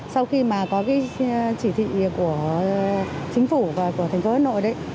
sau khi mà có cái chỉ thị của chính phủ và của thành phố hà nội đấy